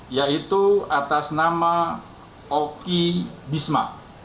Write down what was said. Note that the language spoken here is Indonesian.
yaitu atas nama oki bisma